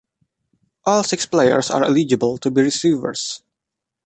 All six players are eligible to be receivers.